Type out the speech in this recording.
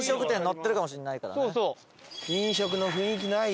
飲食の雰囲気ない？